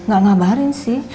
gak ngabarin sih